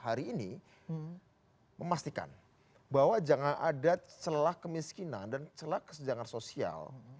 hari ini memastikan bahwa jangan ada celah kemiskinan dan celah kesenjangan sosial